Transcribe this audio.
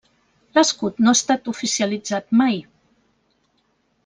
L'escut no ha estat oficialitzat mai.